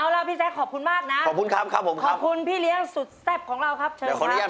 และน้องปลื้มล่ะครับทำไมถึงเลือกเพลงนี้ครับ